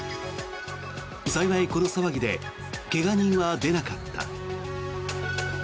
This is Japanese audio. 幸い、この騒ぎで怪我人は出なかった。